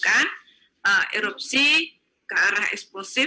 karena erupsi ke arah eksplosif